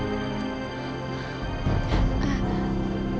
ibu mbak berhenti